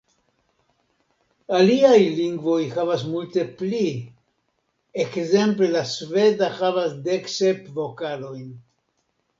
Aliaj lingvoj havas multe pli, ekzemple la sveda havas dek sep vokalojn.